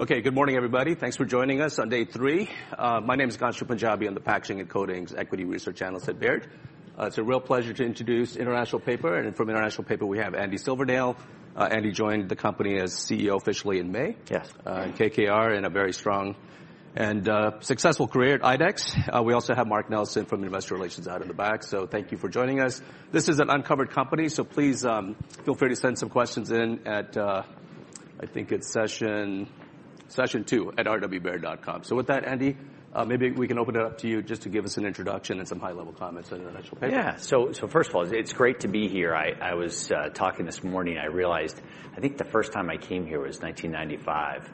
Okay, good morning, everybody. Thanks for joining us on day three. My name is Ghansham Panjabi. I'm the Packaging and Coatings Equity Research Analyst at Baird. It's a real pleasure to introduce International Paper, and from International Paper, we have Andy Silvernail. Andy joined the company as CEO officially in May. Yes. And KKR in a very strong and successful career at IDEX. We also have Mark Nelson from Investor Relations out in the back. So thank you for joining us. This is an uncovered company, so please feel free to send some questions in at, I think it's session two at rwbaird.com. So with that, Andy, maybe we can open it up to you just to give us an introduction and some high-level comments on International Paper. Yeah. So first of all, it's great to be here. I was talking this morning. I realized, I think the first time I came here was 1995.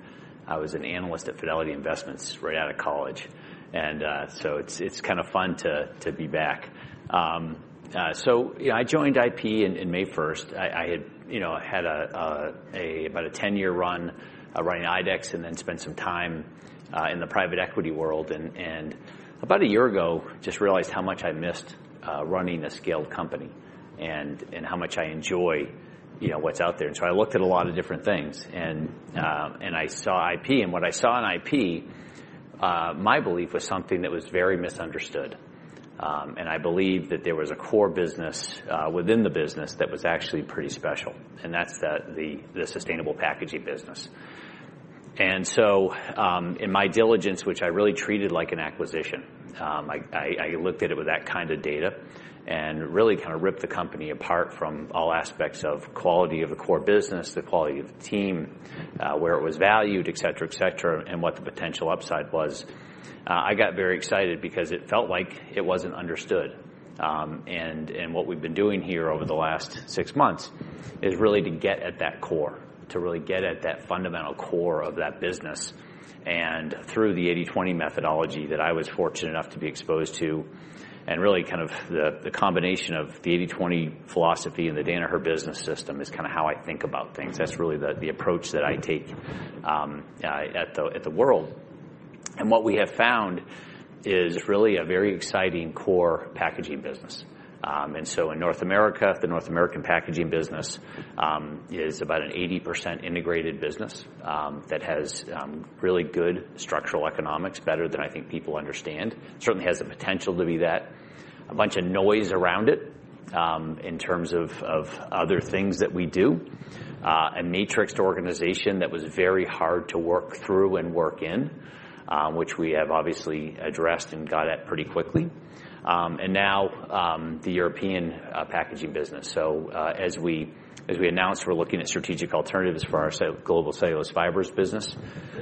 I was an analyst at Fidelity Investments right out of college, and so it's kind of fun to be back. So I joined IP in May 1st. I had had about a 10-year run running IDEX and then spent some time in the private equity world, and about a year ago, I just realized how much I missed running a scaled company and how much I enjoy what's out there. And so I looked at a lot of different things, and I saw IP. And what I saw in IP, my belief, was something that was very misunderstood, and I believed that there was a core business within the business that was actually pretty special. And that's the sustainable packaging business. And so in my diligence, which I really treated like an acquisition, I looked at it with that kind of data and really kind of ripped the company apart from all aspects of quality of the core business, the quality of the team, where it was valued, et cetera, et cetera, and what the potential upside was. I got very excited because it felt like it wasn't understood. And what we've been doing here over the last six months is really to get at that core, to really get at that fundamental core of that business. And through the 80/20 methodology that I was fortunate enough to be exposed to, and really kind of the combination of the 80/20 philosophy and the Danaher Business System is kind of how I think about things. That's really the approach that I take at the world. What we have found is really a very exciting core packaging business. In North America, the North American packaging business is about an 80% integrated business that has really good structural economics, better than I think people understand. It certainly has the potential to be that. There is a bunch of noise around it in terms of other things that we do. There was a matrixed organization that was very hard to work through and work in, which we have obviously addressed and got at pretty quickly. Now the European packaging business. As we announced, we're looking at strategic alternatives for our Global Cellulose Fibers business.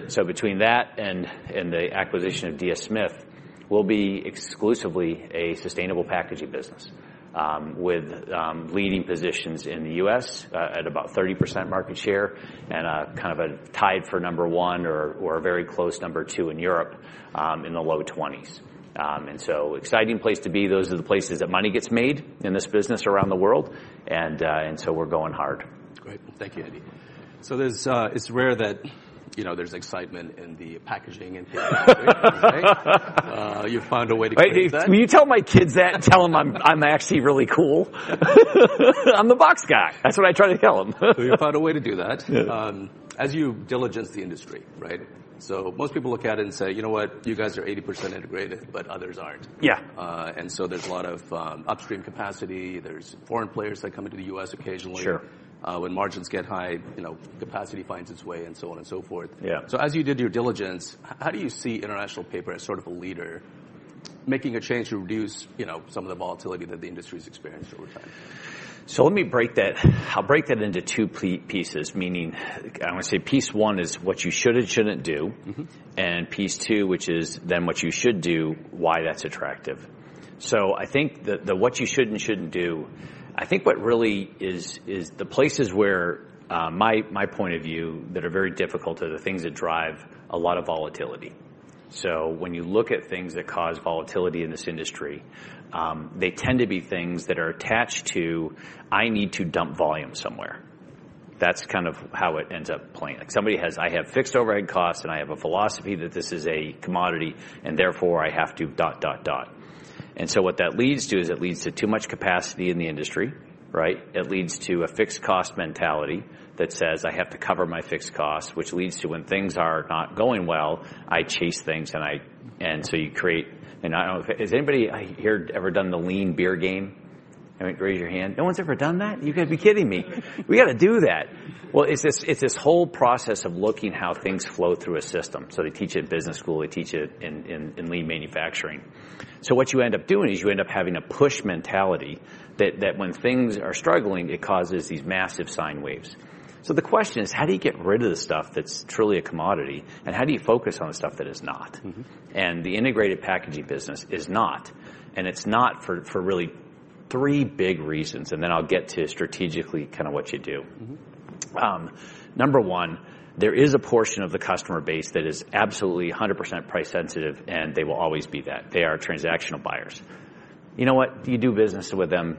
So between that and the acquisition of DS Smith, we'll be exclusively a sustainable packaging business with leading positions in the U.S. at about 30% market share and kind of a tied for number one or a very close number two in Europe in the low 20s%. And so exciting place to be. Those are the places that money gets made in this business around the world. And so we're going hard. Great. Well, thank you, Andy. So it's rare that there's excitement in the packaging industry. You found a way to create that. When you tell my kids that and tell them I'm actually really cool, I'm the box guy. That's what I try to tell them. So you found a way to do that. As you diligence the industry, right? So most people look at it and say, you know what? You guys are 80% integrated, but others aren't. Yeah. And so there's a lot of upstream capacity. There's foreign players that come into the U.S. occasionally. Sure. When margins get high, capacity finds its way and so on and so forth. Yeah. So as you did your diligence, how do you see International Paper as sort of a leader making a change to reduce some of the volatility that the industry has experienced over time? So let me break that. I'll break that into two pieces, meaning I want to say piece one is what you should and shouldn't do. And piece two, which is then what you should do, why that's attractive. So I think the what you should and shouldn't do, I think what really is the places where my point of view that are very difficult are the things that drive a lot of volatility. So when you look at things that cause volatility in this industry, they tend to be things that are attached to, I need to dump volume somewhere. That's kind of how it ends up playing. Somebody has, I have fixed overhead costs and I have a philosophy that this is a commodity and therefore I have to dot, dot, dot. And so what that leads to is it leads to too much capacity in the industry, right? It leads to a fixed cost mentality that says, "I have to cover my fixed costs," which leads to, when things are not going well, I chase things. And so you create, and I don't know, has anybody here ever done the Lean Beer Game? I mean, raise your hand. No one's ever done that? You got to be kidding me. We got to do that. Well, it's this whole process of looking how things flow through a system. So they teach it in business school. They teach it in lean manufacturing. So what you end up doing is you end up having a push mentality that when things are struggling, it causes these massive sine waves. So the question is, how do you get rid of the stuff that's truly a commodity? And how do you focus on the stuff that is not? The integrated packaging business is not. It's not for really three big reasons. Then I'll get to strategically kind of what you do. Number one, there is a portion of the customer base that is absolutely 100% price sensitive and they will always be that. They are transactional buyers. You know what? You do business with them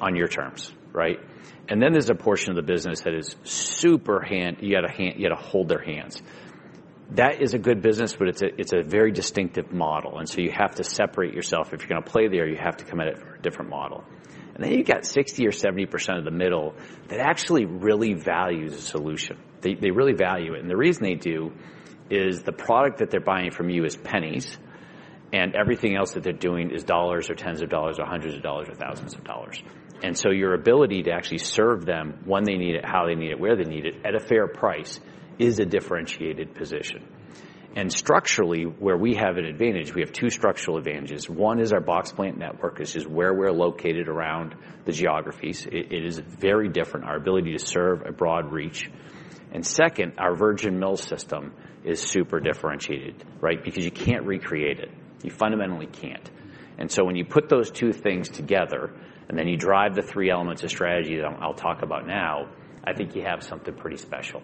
on your terms, right? And then there's a portion of the business that is super hands-on. You got to hold their hands. That is a good business, but it's a very distinctive model. And so you have to separate yourself. If you're going to play there, you have to come at a different model. And then you've got 60% or 70% of the middle that actually really values a solution. They really value it. And the reason they do is the product that they're buying from you is pennies. And everything else that they're doing is dollars or tens of dollars or hundreds of dollars or thousands of dollars. And so your ability to actually serve them when they need it, how they need it, where they need it at a fair price is a differentiated position. And structurally, where we have an advantage, we have two structural advantages. One is our box plant network, which is where we're located around the geographies. It is very different. Our ability to serve a broad reach. And second, our virgin mill system is super differentiated, right? Because you can't recreate it. You fundamentally can't. And so when you put those two things together and then you drive the three elements of strategy that I'll talk about now, I think you have something pretty special.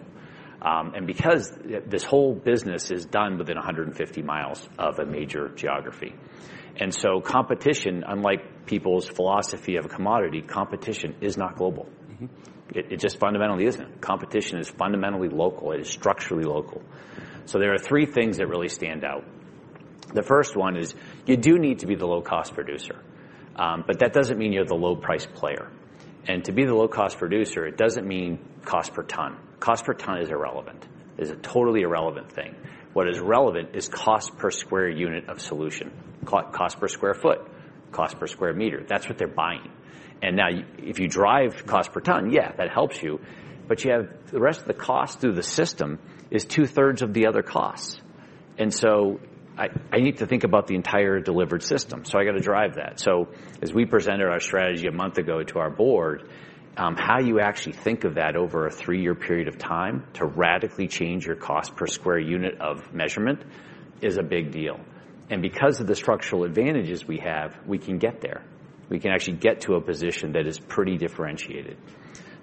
And because this whole business is done within 150 miles of a major geography. And so competition, unlike people's philosophy of a commodity, competition is not global. It just fundamentally isn't. Competition is fundamentally local. It is structurally local. So there are three things that really stand out. The first one is you do need to be the low-cost producer. But that doesn't mean you're the low-price player. And to be the low-cost producer, it doesn't mean cost per ton. Cost per ton is irrelevant. It's a totally irrelevant thing. What is relevant is cost per square unit of solution, cost per square foot, cost per square meter. That's what they're buying. And now if you drive cost per ton, yeah, that helps you. But you have the rest of the cost through the system is two-thirds of the other costs. And so I need to think about the entire delivered system. So I got to drive that. So as we presented our strategy a month ago to our board, how you actually think of that over a three-year period of time to radically change your cost per square unit of measurement is a big deal. And because of the structural advantages we have, we can get there. We can actually get to a position that is pretty differentiated.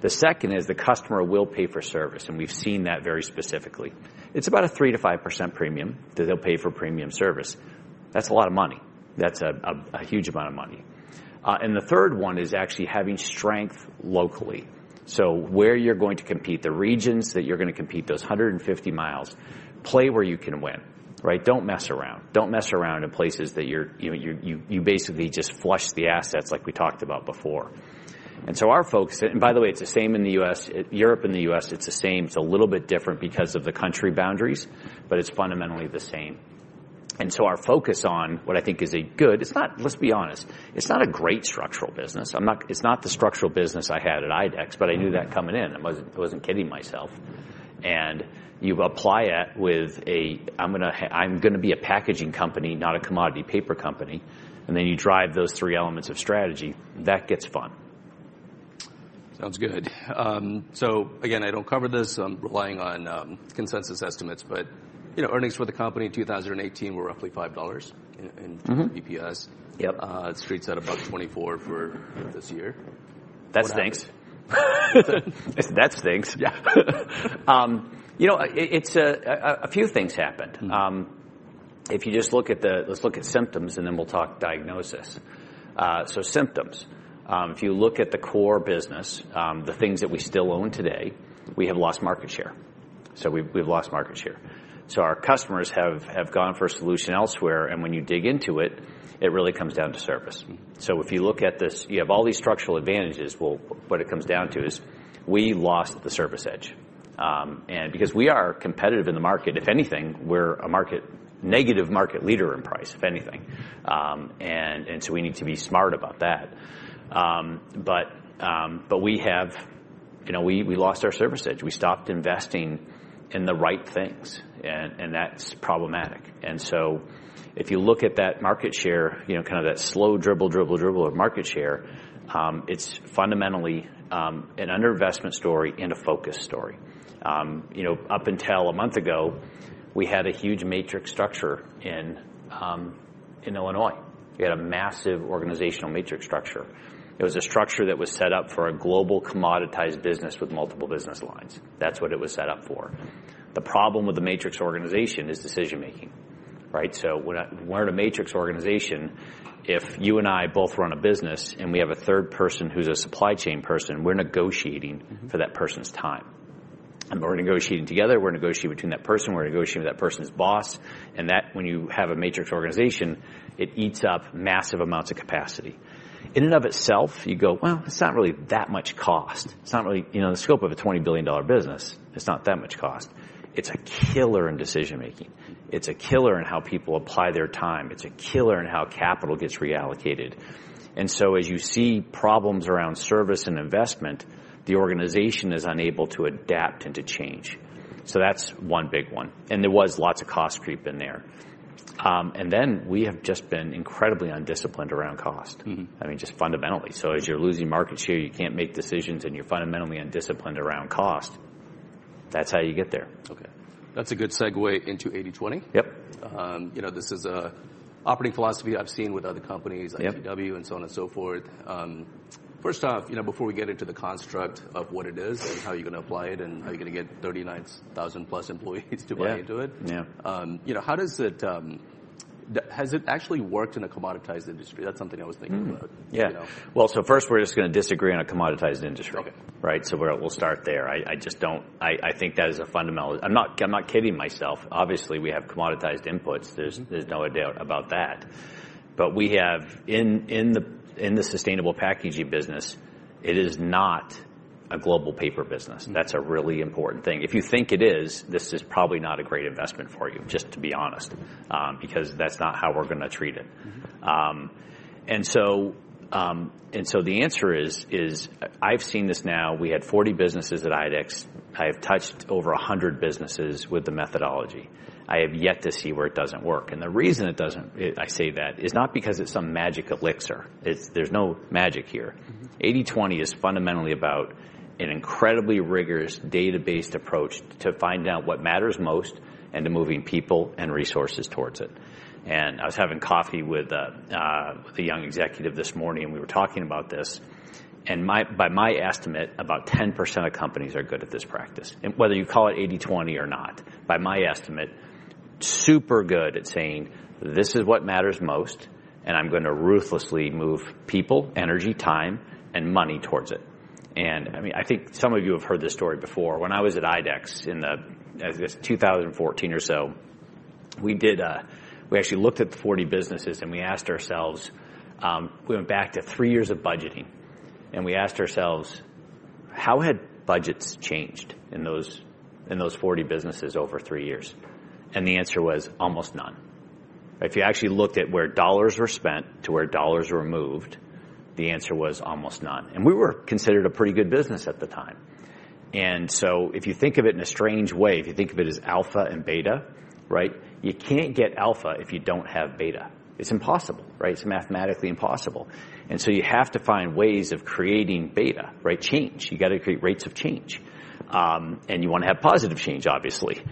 The second is the customer will pay for service. And we've seen that very specifically. It's about a 3%-5% premium that they'll pay for premium service. That's a lot of money. That's a huge amount of money. And the third one is actually having strength locally. So where you're going to compete, the regions that you're going to compete, those 150 mi, play where you can win, right? Don't mess around. Don't mess around in places that you basically just flush the assets like we talked about before. And so our focus, and by the way, it's the same in the U.S., Europe and the U.S., it's the same. It's a little bit different because of the country boundaries, but it's fundamentally the same. And so our focus on what I think is a good, let's be honest, it's not a great structural business. It's not the structural business I had at IDEX, but I knew that coming in. I wasn't kidding myself. And you apply it with a, I'm going to be a packaging company, not a commodity paper company. And then you drive those three elements of strategy. That gets fun. Sounds good. So again, I don't cover this. I'm relying on consensus estimates. But earnings for the company in 2018 were roughly $5 in EPS. Yep. Street's at about $24 for this year. That stinks. That stinks. Yeah. You know, a few things happened. If you just look at the, let's look at symptoms and then we'll talk diagnosis. So symptoms. If you look at the core business, the things that we still own today, we have lost market share. So we've lost market share. So our customers have gone for a solution elsewhere. And when you dig into it, it really comes down to service. So if you look at this, you have all these structural advantages. Well, what it comes down to is we lost the service edge. And because we are competitive in the market, if anything, we're a negative market leader in price, if anything. And so we need to be smart about that. But we lost our service edge. We stopped investing in the right things. And that's problematic. And so if you look at that market share, kind of that slow dribble, dribble, dribble of market share, it's fundamentally an under-investment story and a focus story. Up until a month ago, we had a huge matrix structure in Illinois. We had a massive organizational matrix structure. It was a structure that was set up for a global commoditized business with multiple business lines. That's what it was set up for. The problem with the matrix organization is decision-making, right? So we're in a matrix organization. If you and I both run a business and we have a third person who's a supply chain person, we're negotiating for that person's time. And we're negotiating together. We're negotiating between that person. We're negotiating with that person's boss. And that when you have a matrix organization, it eats up massive amounts of capacity. In and of itself, you go, well, it's not really that much cost. It's not really, you know, the scope of a $20 billion business. It's not that much cost. It's a killer in decision-making. It's a killer in how people apply their time. It's a killer in how capital gets reallocated. And so as you see problems around service and investment, the organization is unable to adapt and to change. So that's one big one. And there was lots of cost creep in there. And then we have just been incredibly undisciplined around cost. I mean, just fundamentally. So as you're losing market share, you can't make decisions and you're fundamentally undisciplined around cost. That's how you get there. Okay. That's a good segue into 80/20. Yep. You know, this is an operating philosophy I've seen with other companies, ITW and so on and so forth. First off, you know, before we get into the construct of what it is and how you're going to apply it and how you're going to get 39,000 plus employees to buy into it. Yeah. You know, has it actually worked in a commoditized industry? That's something I was thinking about. Yeah. Well, so first we're just going to disagree on a commoditized industry, right, so we'll start there. I just don't. I think that is a fundamental. I'm not kidding myself. Obviously, we have commoditized inputs. There's no doubt about that, but we have in the sustainable packaging business; it is not a global paper business. That's a really important thing. If you think it is, this is probably not a great investment for you, just to be honest, because that's not how we're going to treat it, and so the answer is, I've seen this now. We had 40 businesses at IDEX. I have touched over 100 businesses with the methodology. I have yet to see where it doesn't work, and the reason it doesn't, I say that, is not because it's some magic elixir. There's no magic here. 80/20 is fundamentally about an incredibly rigorous database approach to find out what matters most and to moving people and resources towards it. And I was having coffee with a young executive this morning and we were talking about this. And by my estimate, about 10% of companies are good at this practice. Whether you call it 80/20 or not, by my estimate, super good at saying, this is what matters most and I'm going to ruthlessly move people, energy, time, and money towards it. And I mean, I think some of you have heard this story before. When I was at IDEX in 2014 or so, we actually looked at the 40 businesses and we asked ourselves, we went back to three years of budgeting. And we asked ourselves, how had budgets changed in those 40 businesses over three years? And the answer was almost none. If you actually looked at where dollars were spent to where dollars were moved, the answer was almost none. And we were considered a pretty good business at the time. And so if you think of it in a strange way, if you think of it as alpha and beta, right? You can't get alpha if you don't have beta. It's impossible, right? It's mathematically impossible. And so you have to find ways of creating beta, right? Change. You got to create rates of change. And you want to have positive change, obviously.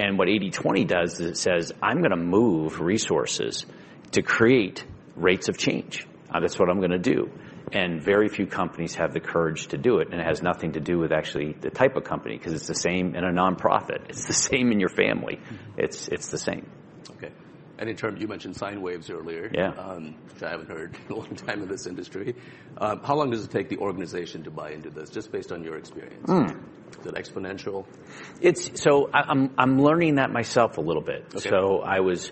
And what 80/20 does is it says, I'm going to move resources to create rates of change. That's what I'm going to do. And very few companies have the courage to do it. And it has nothing to do with actually the type of company because it's the same in a nonprofit. It's the same in your family. It's the same. Okay. And in terms of, you mentioned sine waves earlier. Yeah. Which I haven't heard in a long time in this industry. How long does it take the organization to buy into this? Just based on your experience. Is it exponential? So I'm learning that myself a little bit. So I was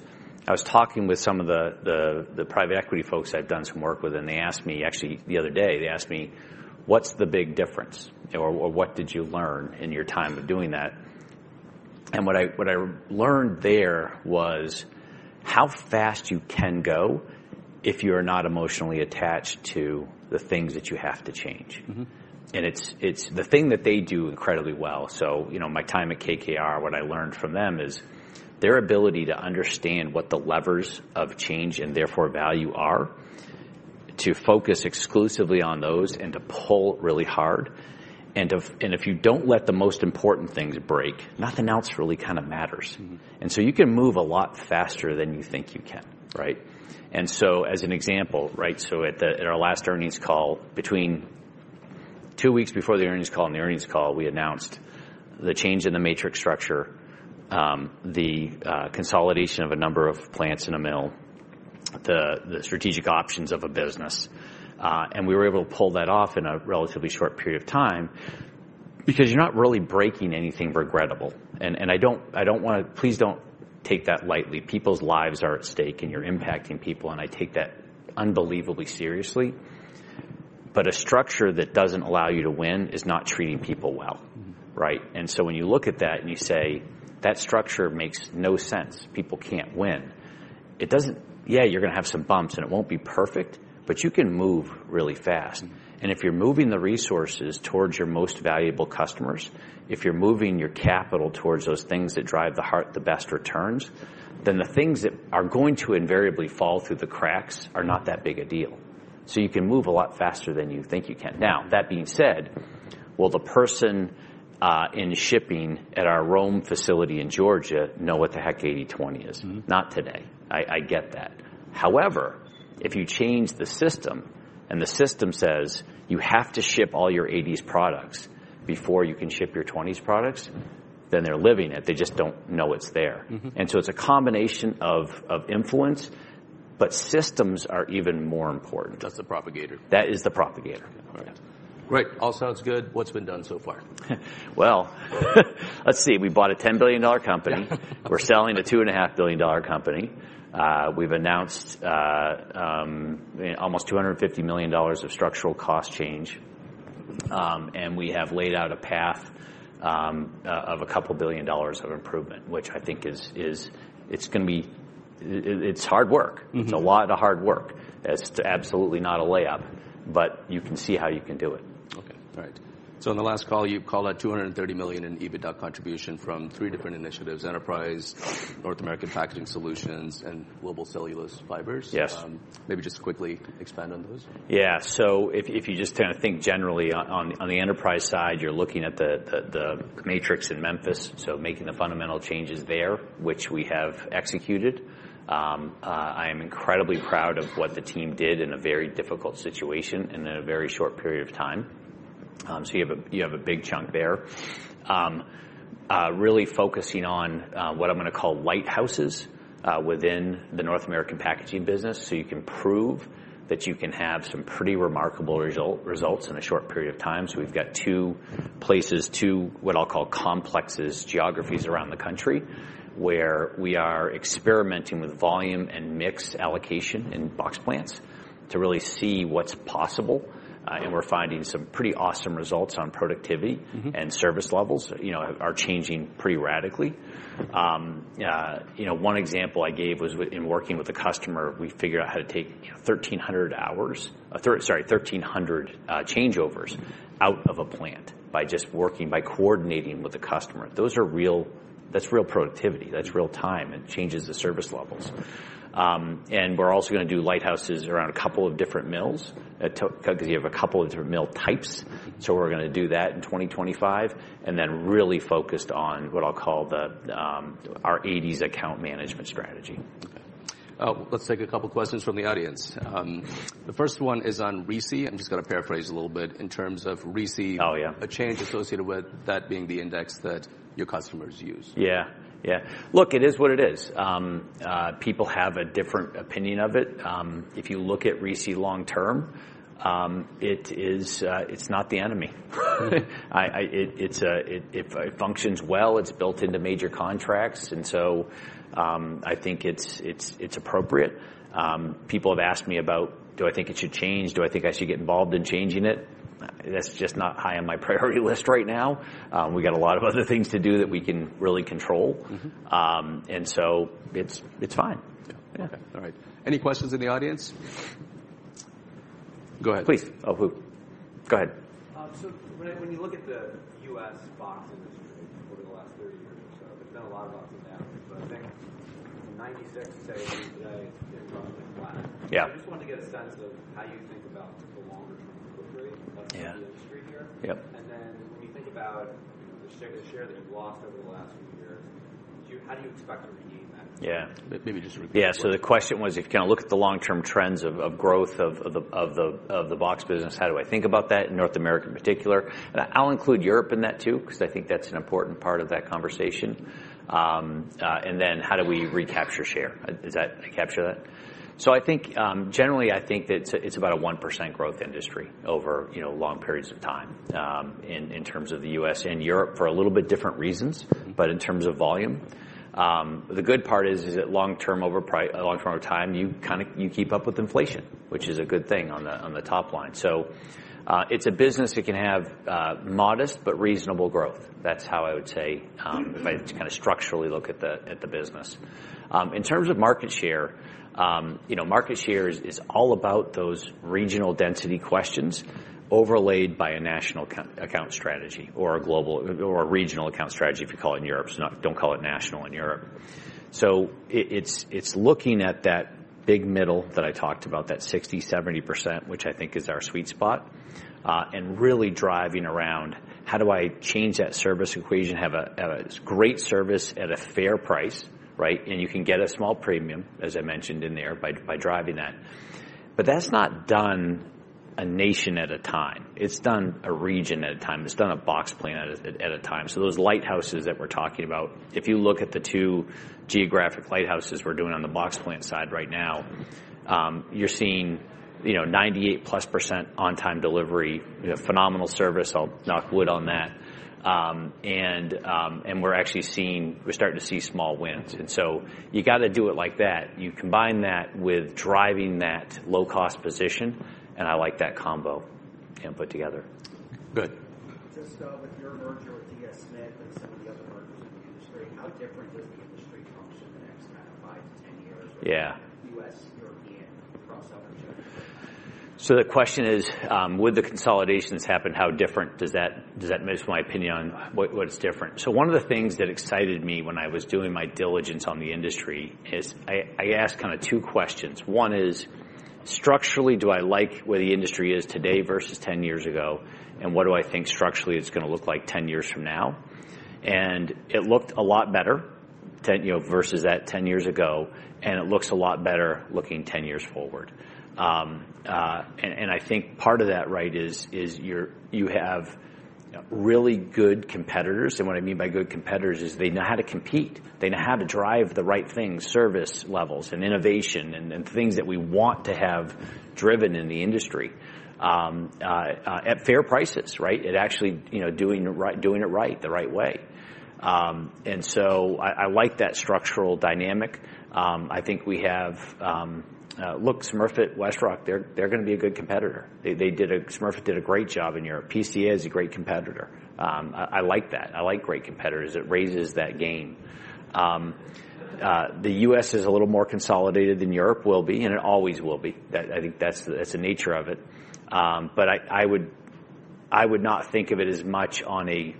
talking with some of the private equity folks I've done some work with, and they asked me, actually the other day, they asked me, "What's the big difference? Or what did you learn in your time of doing that?" And what I learned there was how fast you can go if you're not emotionally attached to the things that you have to change. And it's the thing that they do incredibly well. So my time at KKR, what I learned from them is their ability to understand what the levers of change and therefore value are, to focus exclusively on those and to pull really hard. And if you don't let the most important things break, nothing else really kind of matters. And so you can move a lot faster than you think you can, right? And so, as an example, right? So, at our last earnings call, between two weeks before the earnings call and the earnings call, we announced the change in the matrix structure, the consolidation of a number of plants and a mill, the strategic options of a business. And we were able to pull that off in a relatively short period of time because you're not really breaking anything regrettable. And I don't want to; please don't take that lightly. People's lives are at stake and you're impacting people. And I take that unbelievably seriously. But a structure that doesn't allow you to win is not treating people well, right? And so when you look at that and you say, that structure makes no sense. People can't win. It doesn't; yeah, you're going to have some bumps and it won't be perfect, but you can move really fast. And if you're moving the resources towards your most valuable customers, if you're moving your capital towards those things that drive the best returns, then the things that are going to invariably fall through the cracks are not that big a deal. So you can move a lot faster than you think you can. Now, that being said, will the person in shipping at our Rome facility in Georgia know what the heck 80/20 is? Not today. I get that. However, if you change the system and the system says you have to ship all your 80s products before you can ship your 20s products, then they're living it. They just don't know it's there. And so it's a combination of influence, but systems are even more important. That's the propagator. That is the propagator. Great. All sounds good. What's been done so far? Let's see. We bought a $10 billion company. We're selling a $2.5 billion company. We've announced almost $250 million of structural cost change, and we have laid out a path of a couple billion dollars of improvement, which I think is, it's going to be, it's hard work. It's a lot of hard work. It's absolutely not a layup, but you can see how you can do it. Okay. All right. So on the last call, you called out $230 million in EBITDA contribution from three different initiatives: Enterprise, North American Packaging Solutions, and Global Cellulose Fibers. Yes. Maybe just quickly expand on those? Yeah, so if you just kind of think generally on the enterprise side, you're looking at the matrix in Memphis, so making the fundamental changes there, which we have executed. I am incredibly proud of what the team did in a very difficult situation and in a very short period of time, so you have a big chunk there, really focusing on what I'm going to call lighthouses within the North American packaging business so you can prove that you can have some pretty remarkable results in a short period of time, so we've got two places, two what I'll call complexes, geographies around the country where we are experimenting with volume and mix allocation in box plants to really see what's possible, and we're finding some pretty awesome results on productivity and service levels, you know, are changing pretty radically. You know, one example I gave was in working with a customer, we figured out how to take 1,300 hours, sorry, 1,300 changeovers out of a plant by just working, by coordinating with the customer. Those are real. That's real productivity. That's real time and changes the service levels. We're also going to do lighthouses around a couple of different mills because you have a couple of different mill types. We're going to do that in 2025 and then really focused on what I'll call our 80/20 account management strategy. Okay. Let's take a couple of questions from the audience. The first one is on RISI. I'm just going to paraphrase a little bit in terms of RISI. Oh, yeah. A change associated with that being the index that your customers use. Look, it is what it is. People have a different opinion of it. If you look at RISI long term, it's not the enemy. It functions well. It's built into major contracts. And so I think it's appropriate. People have asked me about, do I think it should change? Do I think I should get involved in changing it? That's just not high on my priority list right now. We got a lot of other things to do that we can really control. And so it's fine. Okay. All right. Any questions in the audience? Go ahead. Please. Oh, who? Go ahead. So when you look at the U.S. box industry over the last 30 years or so, there's been a lot of ups and downs. But I think 96% of you today are growing in flat. Yeah. I just wanted to get a sense of how you think about the longer-term growth rate of the industry here. Yeah. When you think about the share that you've lost over the last year, how do you expect to regain that? Yeah. Maybe just repeat. Yeah. So the question was, if you kind of look at the long-term trends of growth of the box business, how do I think about that in North America in particular? And I'll include Europe in that too because I think that's an important part of that conversation. And then how do we recapture share? Did I capture that? So I think generally, I think that it's about a 1% growth industry over long periods of time in terms of the U.S. and Europe for a little bit different reasons, but in terms of volume. The good part is that long-term over time, you kind of keep up with inflation, which is a good thing on the top line. So it's a business that can have modest but reasonable growth. That's how I would say if I kind of structurally look at the business. In terms of market share, you know, market share is all about those regional density questions overlaid by a national account strategy or a global or a regional account strategy, if you call it in Europe. Don't call it national in Europe. So it's looking at that big middle that I talked about, that 60%-70%, which I think is our sweet spot, and really driving around how do I change that service equation, have a great service at a fair price, right? And you can get a small premium, as I mentioned in there, by driving that. But that's not done a nation at a time. It's done a region at a time. It's done a box plant at a time. So those lighthouses that we're talking about, if you look at the two geographic lighthouses we're doing on the box plant side right now, you're seeing 98% plus on-time delivery, phenomenal service. I'll knock on wood on that. And we're actually seeing, we're starting to see small wins. And so you got to do it like that. You combine that with driving that low-cost position. And I like that combo put together. Good. Just with your merger with DS Smith and some of the other mergers in the industry, how different does the industry function the next kind of five to 10 years? Yeah. U.S., European cross-ownership? So the question is, would the consolidations happen? How different does that make my opinion on what's different? So one of the things that excited me when I was doing my diligence on the industry is I asked kind of two questions. One is, structurally, do I like where the industry is today versus 10 years ago? And what do I think structurally it's going to look like 10 years from now? And it looked a lot better versus that 10 years ago. And it looks a lot better looking 10 years forward. And I think part of that, right, is you have really good competitors. And what I mean by good competitors is they know how to compete. They know how to drive the right things, service levels and innovation and things that we want to have driven in the industry at fair prices, right? And actually doing it right, the right way. And so I like that structural dynamic. I think we have look, Smurfit Westrock, they're going to be a good competitor. Smurfit did a great job in Europe. PCA is a great competitor. I like that. I like great competitors. It raises that game. The U.S. is a little more consolidated than Europe will be, and it always will be. I think that's the nature of it. But I would not think of it as much on a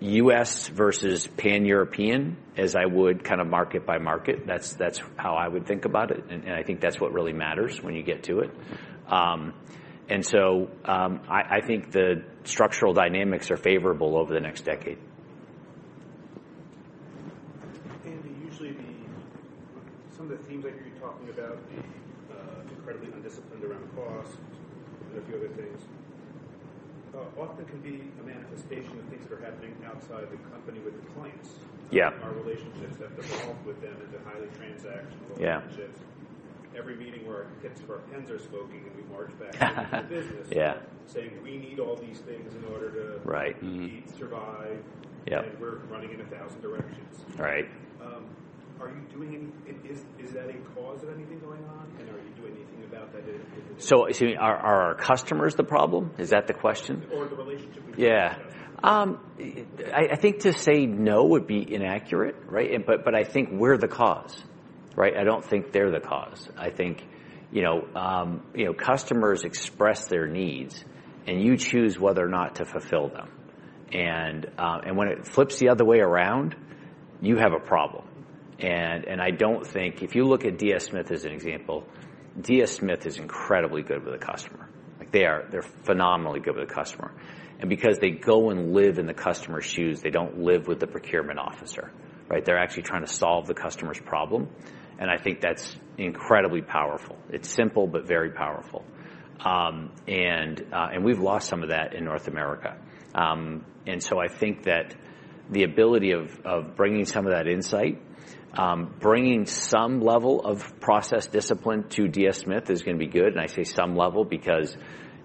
U.S. versus pan-European as I would kind of market by market. That's how I would think about it. And I think that's what really matters when you get to it. And so I think the structural dynamics are favorable over the next decade. Usually some of the themes that you're talking about, the incredibly undisciplined around cost and a few other things, often can be a manifestation of things that are happening outside of the company with the clients. Yeah. Our relationships have evolved with them into highly transactional relationships. Every meeting where our pitches for our plans are smoking and we march back into the business saying, "We need all these things in order to survive. Yeah. We're running in a thousand directions. Right. Are you doing any—is that a cause of anything going on? And are you doing anything about that? So are our customers the problem? Is that the question? Or the relationship with yourself? Yeah. I think to say no would be inaccurate, right? But I think we're the cause, right? I don't think they're the cause. I think, you know, customers express their needs and you choose whether or not to fulfill them. And when it flips the other way around, you have a problem. And I don't think if you look at DS Smith as an example, DS Smith is incredibly good with the customer. They're phenomenally good with the customer. And because they go and live in the customer's shoes, they don't live with the procurement officer, right? They're actually trying to solve the customer's problem. And I think that's incredibly powerful. It's simple, but very powerful. And we've lost some of that in North America. And so I think that the ability of bringing some of that insight, bringing some level of process discipline to DS Smith is going to be good. And I say some level because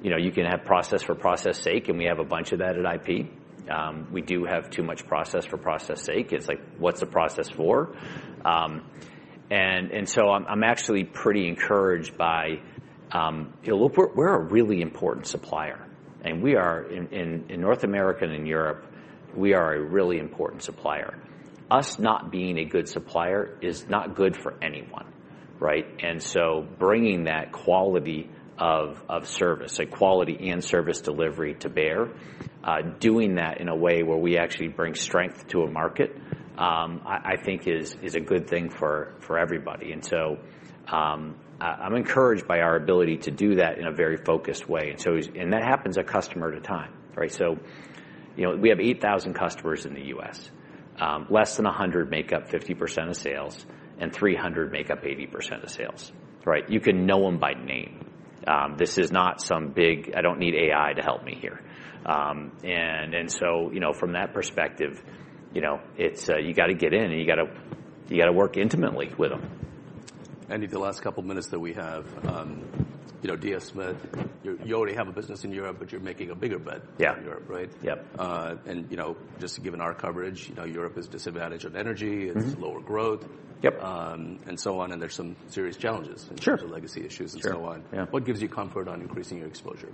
you can have process for process sake, and we have a bunch of that at IP. We do have too much process for process sake. It's like, what's the process for? And so I'm actually pretty encouraged by, look, we're a really important supplier. And we are in North America and in Europe, we are a really important supplier. Us not being a good supplier is not good for anyone, right? And so bringing that quality of service, a quality and service delivery to bear, doing that in a way where we actually bring strength to a market, I think is a good thing for everybody. And so I'm encouraged by our ability to do that in a very focused way. And that happens a customer at a time, right? So we have 8,000 customers in the U.S. Less than 100 make up 50% of sales and 300 make up 80% of sales, right? You can know them by name. This is not some big, I don't need AI to help me here. And so from that perspective, you got to get in and you got to work intimately with them. Andy, the last couple of minutes that we have, you know, DS Smith, you already have a business in Europe, but you're making a bigger bet in Europe, right? Yeah. Yep. Just given our coverage, you know, Europe is disadvantaged on energy. It's lower growth. Yep. And so on. And there's some serious challenges in terms of legacy issues and so on. Sure. Yeah. What gives you comfort on increasing your exposure?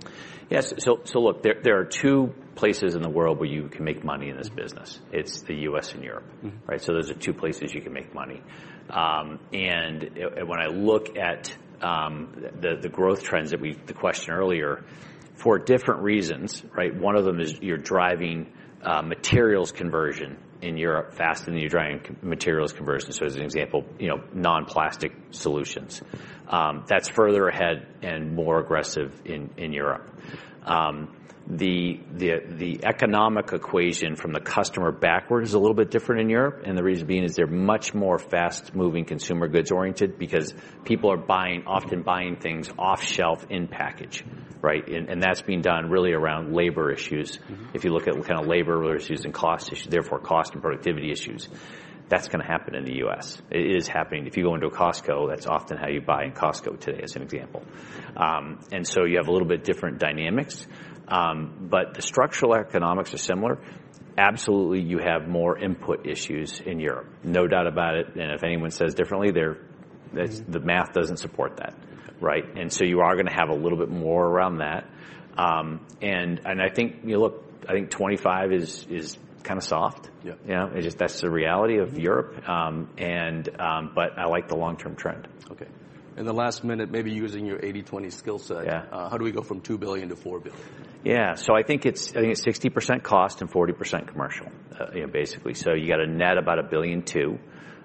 Yes. So look, there are two places in the world where you can make money in this business. It's the U.S. and Europe, right? So those are two places you can make money. And when I look at the growth trends, the question earlier, for different reasons, right? One of them is you're driving materials conversion in Europe faster than you're driving materials conversion. So as an example, non-plastic solutions. That's further ahead and more aggressive in Europe. The economic equation from the customer backwards is a little bit different in Europe. And the reason being is they're much more fast-moving consumer goods oriented because people are often buying things off-shelf in package, right? And that's being done really around labor issues. If you look at kind of labor issues and cost issues, therefore cost and productivity issues, that's going to happen in the U.S. It is happening. If you go into a Costco, that's often how you buy in Costco today, as an example, and so you have a little bit different dynamics, but the structural economics are similar. Absolutely, you have more input issues in Europe. No doubt about it, and if anyone says differently, the math doesn't support that, right? And so you are going to have a little bit more around that, and I think, look, I think 25 is kind of soft. You know, that's the reality of Europe, but I like the long-term trend. Okay. In the last minute, maybe using your 80/20 skill set. Yeah. How do we go from $2 billion to $4 billion? Yeah. So I think it's 60% cost and 40% commercial, basically. So you got a net about $1 billion too.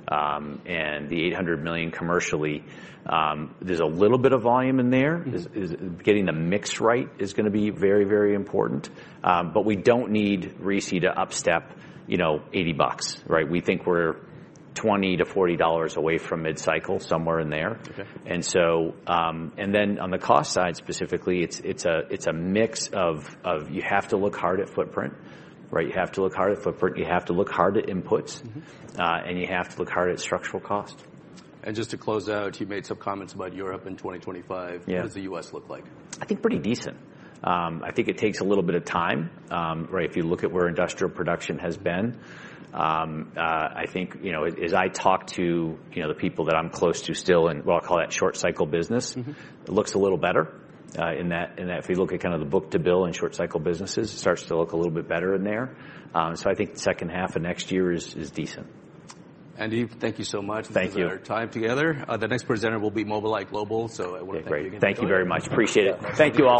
And the $800 million commercially, there's a little bit of volume in there. Getting the mix right is going to be very, very important. But we don't need RISI to upstep $80, right? We think we're $20-$40 away from mid-cycle, somewhere in there. And then on the cost side specifically, it's a mix of you have to look hard at footprint, right? You have to look hard at footprint. You have to look hard at inputs. And you have to look hard at structural cost. Just to close out, you made some comments about Europe in 2025. What does the U.S. look like? I think pretty decent. I think it takes a little bit of time, right? If you look at where industrial production has been, I think as I talk to the people that I'm close to still in, well, I'll call that short-cycle business, it looks a little better. And if you look at kind of the book to bill in short-cycle businesses, it starts to look a little bit better in there. So I think the second half of next year is decent. Andy, thank you so much. Thank you. For spending our time together. The next presenter will be Mobileye Global, so I want to thank you again. Great. Thank you very much. Appreciate it. Thank you.